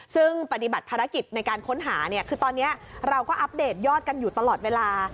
ซึ่งปฏิบัติภารกิจในการค้นหาเนี่ยคือตอนนี้เราก็อัปเดตยอดกันอยู่ตลอดเวลา